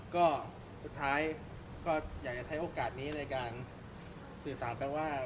ก็สุดท้ายก็อยากจะใช้โอกาสนี้ในการสื่อสารไปว่า